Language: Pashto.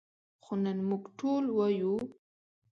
خو نن موږ ټول وایو.